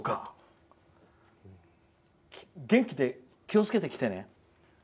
元気で気をつけて来てね。